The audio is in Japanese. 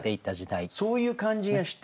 そういう感じがして。